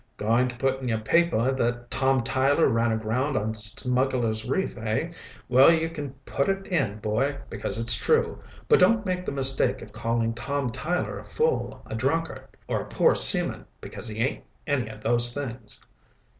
"Going to put in your paper that Tom Tyler ran aground on Smugglers' Reef, hey? Well, you can put it in, boy, because it's true. But don't make the mistake of calling Tom Tyler a fool, a drunkard, or a poor seaman, because he ain't any of those things."